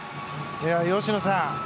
吉野さん